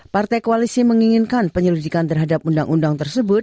partai koalisi menginginkan penyelidikan terhadap undang undang tersebut